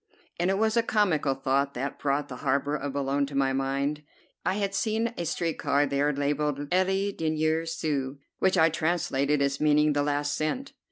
And it was a comical thought that brought the harbor of Boulogne to my mind. I had seen a street car there, labelled "Le Dernier Sou," which I translated as meaning "The Last Cent."